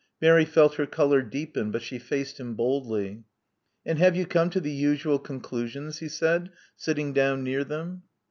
Mary felt her color deepen, but she faced him boldly. And have you come to the usual conclusions?" he said, sitting down near them.